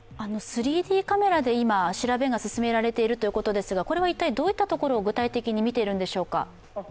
３Ｄカメラで調べが進められているということですが、これは一体どういったところを具体的に見ているんでしょうか。